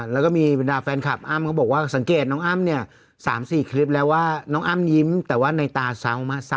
แล้วก็มีบรรดาแฟนคลับอ้ำก็บอกว่าสังเกตน้องอ้ำเนี่ย๓๔คลิปแล้วว่าน้องอ้ำยิ้มแต่ว่าในตาเศร้ามากซ้